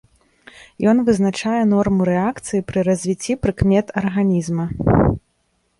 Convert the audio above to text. Ён вызначае норму рэакцыі пры развіцці прыкмет арганізма.